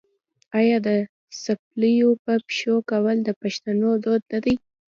آیا د څپلیو په پښو کول د پښتنو دود نه دی؟